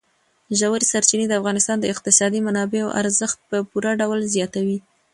ژورې سرچینې د افغانستان د اقتصادي منابعو ارزښت په پوره ډول زیاتوي.